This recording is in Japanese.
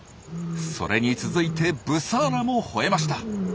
それに続いてブサーラも吠えました。